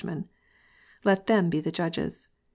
Let them be the judges.